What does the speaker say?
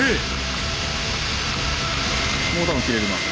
もう多分切れます。